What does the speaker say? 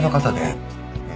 ええ